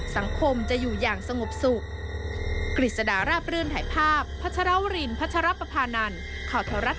สังคมจะอยู่อย่างสงบสุข